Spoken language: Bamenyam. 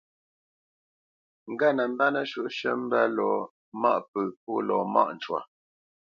Ŋgât nə mbə́ nəshǔʼshʉ̂ mbə́ lɔ maʼ pə̂ pô lɔ mâʼ cwa.